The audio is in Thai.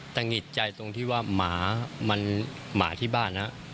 แต่หงิดใจตรงที่ว่าหมามันหมาที่บ้านนะ